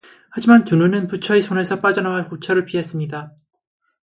하지만 두 눈은 부처의 손에서 빠져나와 부처를 피했습니다